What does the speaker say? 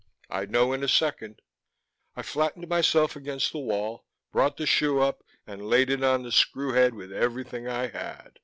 I'd know in a second. I flattened myself against the wall, brought the shoe up, and laid it on the screw head with everything I had....